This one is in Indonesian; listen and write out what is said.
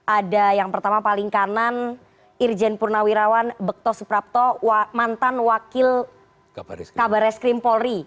ada yang pertama paling kanan irjen purnawirawan bekto suprapto mantan wakil kabar reskrim polri